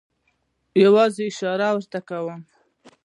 یوازې اشاره ورته وکړم.